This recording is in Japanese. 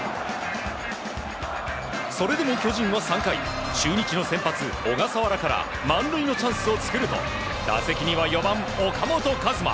それでも巨人は３回中日の先発、小笠原から満塁のチャンスを作ると打席には４番、岡本和真。